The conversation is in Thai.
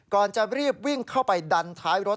ก่อนจะรีบวิ่งเข้าไปดันท้ายรถ